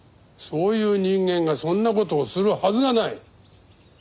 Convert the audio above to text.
そういう人間がそんな事をするはずがない。